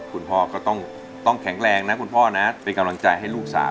คุณพ่อก็ต้องแข็งแรงนะคุณพ่อนะเป็นกำลังใจให้ลูกสาว